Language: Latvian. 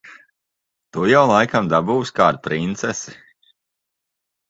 Tu jau laikam dabūsi kādu princesi.